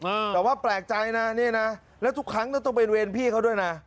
แบบว่าแปลกใจนะเนี่ยนะแล้วทุกครั้งต้องเป็นเวรพี่เขาด้วยนะ